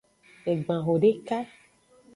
Egban hodeka.